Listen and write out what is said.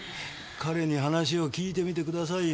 彼に話を聞いてみてください。